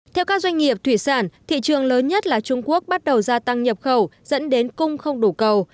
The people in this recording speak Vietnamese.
theo các doanh nghiệp thủy sản thị trường lớn nhất là trung quốc bắt đầu gia tăng nhập khẩu dẫn đến cung không đủ cầu